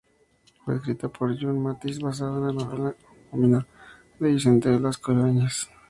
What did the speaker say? Fue escrita por June Mathis, basada en la novela homónima de Vicente Blasco Ibáñez.